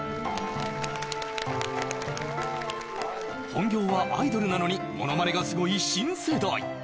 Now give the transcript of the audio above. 本業はアイドルなのにものまねがすごい新世代！